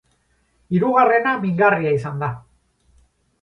Hirugarrena mingarria izan da.